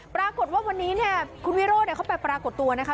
ปรากฏว่าวันนี้เนี่ยคุณวิโรธเขาไปปรากฏตัวนะคะ